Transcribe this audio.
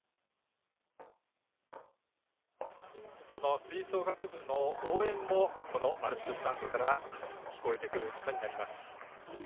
その吹奏楽部の応援もアルプススタンドから聞こえてくることになります。